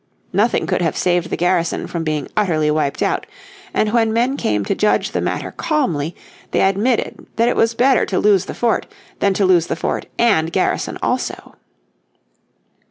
Nothing could have saved the garrison from being utterly wiped out; and when men came to judge the matter calmly they admitted that it was better to lose the fort than to lose the fort and garrison also.